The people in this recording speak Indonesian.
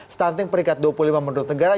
stunting peringkat dua puluh lima menurut negara